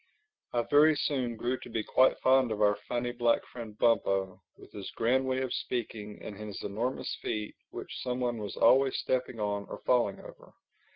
I very soon grew to be quite fond of our funny black friend Bumpo, with his grand way of speaking and his enormous feet which some one was always stepping on or falling over.